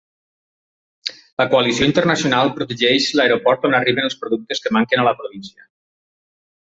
La coalició internacional protegeix l'aeroport on arriben els productes que manquen a la província.